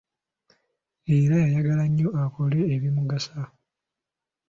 Era yayagala nnyo akole ebimugasa.